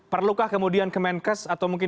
perlukah kemudian ke menkes atau mungkin